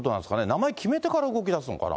名前、決めてから動きだすのかな。